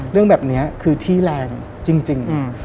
เรื่องแบบนี้คือที่แรงจริง